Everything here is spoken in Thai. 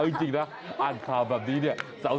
เอาจริงนะอ่านคำแบบนี้นี่นะ